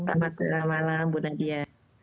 selamat malam bu nadia